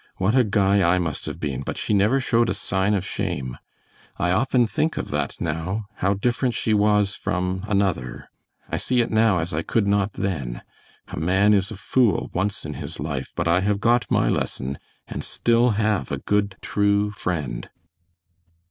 What a guy I must have been, but she never showed a sign of shame. I often think of that now, how different she was from another! I see it now as I could not then a man is a fool once in his life, but I have got my lesson and still have a good true friend."